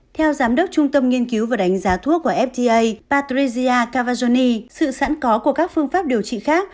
theo giám đốc trung tâm nghiên cứu và đánh giá thuốc của fda patrizia cavajoni sự sẵn có của các phương pháp điều trị khác